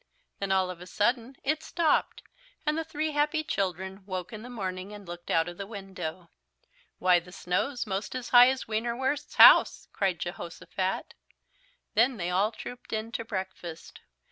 Then all of a sudden it stopped, and the three happy children woke in the morning, and looked out of the window. "Why the snow's most as high as Wienerwurst's house!" cried Jehosophat. Then they all trooped in to breakfast.